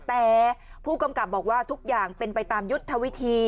แต่ผู้กำกับบอกว่าทุกอย่างเป็นไปตามยุทธวิธี